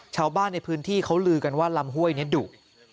ชาวบ้านในพื้นที่เขาลือกันว่าลำห้วยนี้ดุ